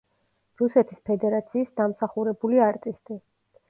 რუსეთის ფედერაციის დამსახურებული არტისტი.